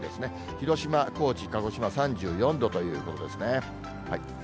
広島、高知、鹿児島３４度ということですね。